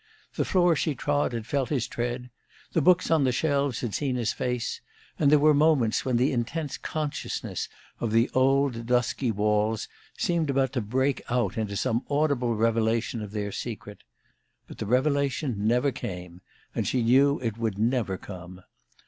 The floor she trod had felt his tread; the books on the shelves had seen his face; and there were moments when the intense consciousness of the old, dusky walls seemed about to break out into some audible revelation of their secret. But the revelation never came, and she knew it would never come.